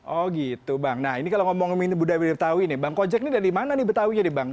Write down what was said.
oh gitu bang nah ini kalau ngomongin budaya betawi nih bang kojek ini dari mana nih betawinya nih bang